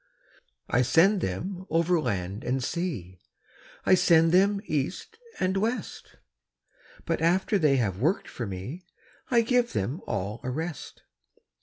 I send them over land and sea, I send them east and west; But after they have worked for me, I give them all a rest.